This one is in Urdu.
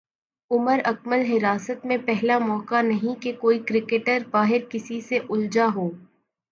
عمر اکمل حراست میںپہلا موقع نہیں کہ کوئی کرکٹر باہر کسی سے الجھا ہو